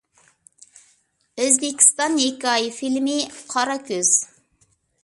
ئۆزبېكىستان ھېكايە فىلىمى: «قارا كۆز» .